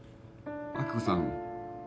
亜希子さん